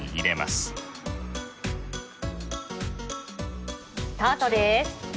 スタートです。